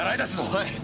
はい。